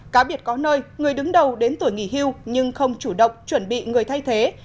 cá biệt có nơi người đứng đầu đến tuổi nghỉ hưu nhưng không chủ động chuẩn bị người thay thế